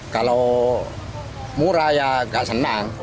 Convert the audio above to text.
kalau murah ya nggak senang